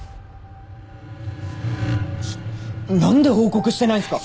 ちょ何で報告してないんすか